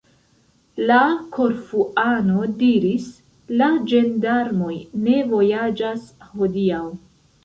La Korfuano diris: "La ĝendarmoj ne vojaĝas hodiaŭ."